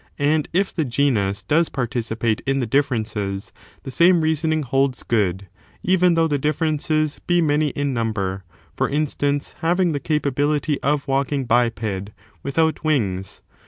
And if the genus does participate in the differences, the same reasoning holds good, even though the differences be many in number ; for instance, having the capability of walking, biped, without wings.